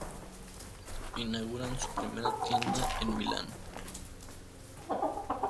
Inauguran su primera tienda en Milán.